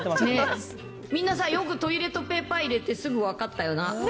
みんなさ、よくトイレットペーパー入れってすぐ分かったよな。